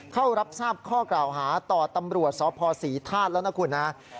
เข้ารับทราบข้อกล่าวหาต่อตำรวจสพศรีธาตุแล้วนะคุณนะ